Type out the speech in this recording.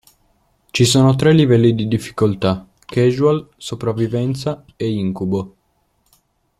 Ci sono tre livelli di difficoltà: Casual, Sopravvivenza e Incubo.